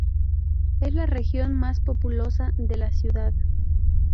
Es la región más populosa de la ciudad.